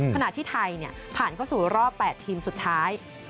ขณะที่ไทยผ่านเข้าสู่รอบ๘ทีมสุดท้าย